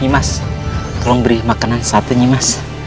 nyimahs tolong beri makanan satenya mas